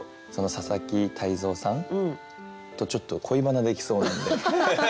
佐々木泰三さんとちょっと恋バナできそうなんで。